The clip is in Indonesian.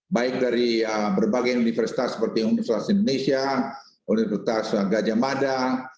baik dari berbagai universitas seperti universitas indonesia universitas gajah mada